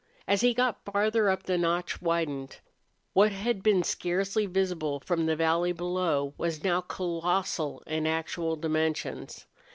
As he got farther up the notch widened. What had been scarcely visible from the valley below was now colossal in actual dimensions.